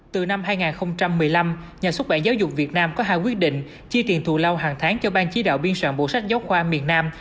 từ năm hai nghìn một mươi năm nhà xuất bản giáo dục việt nam có hai quyết định chi tiền thù lao hàng tháng cho ban chỉ đạo biên soạn bộ sách giáo khoa miền nam